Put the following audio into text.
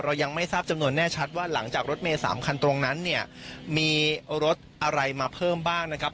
ยังไม่ทราบจำนวนแน่ชัดว่าหลังจากรถเมย์๓คันตรงนั้นเนี่ยมีรถอะไรมาเพิ่มบ้างนะครับ